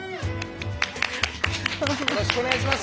よろしくお願いします。